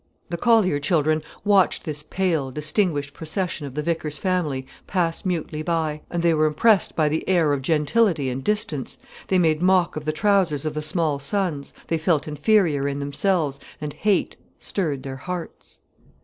The collier children watched this pale, distinguished procession of the vicar's family pass mutely by, and they were impressed by the air of gentility and distance, they made mock of the trousers of the small sons, they felt inferior in themselves, and hate stirred their hearts.